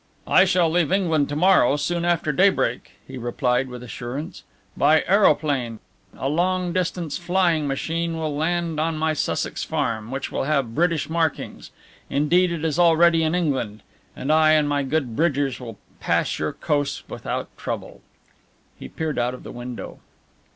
"I shall leave England to morrow, soon after daybreak," he replied, with assurance, "by aeroplane, a long distance flying machine will land on my Sussex farm which will have British markings indeed, it is already in England, and I and my good Bridgers will pass your coast without trouble." He peered out of the window.